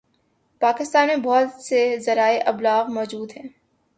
پاکستان میں بہت سے ذرائع ابلاغ موجود ہیں